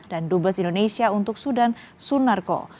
dan dubes indonesia untuk sudan sunarko